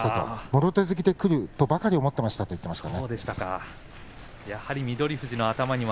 もろ手突きでくるとばかり思っていましたと話していました。